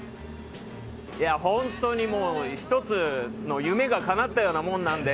本当にもう、１つの夢がかなったようなもんなので。